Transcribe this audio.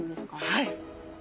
「はい」？